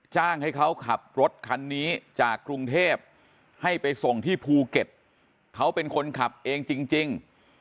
จ้างให้เขาขับรถคันนี้จากกรุงเทพให้ไปส่งที่ภูเก็ตเขาเป็นคนขับเองจริง